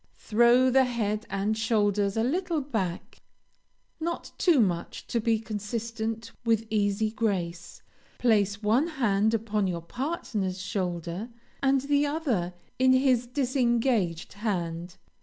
Throw the head and shoulders a little back, not too much to be consistent with easy grace, place one hand upon your partner's shoulder, and the other in his disengaged hand.